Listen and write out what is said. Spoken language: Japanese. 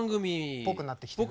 っぽくなってきてる。